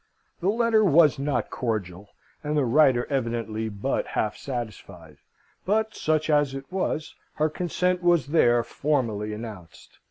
The letter was not cordial, and the writer evidently but half satisfied; but, such as it was, her consent was here formally announced.